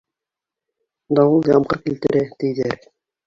Дауыл ямғыр килтерә, тиҙәр.